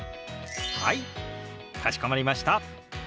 はいかしこまりました。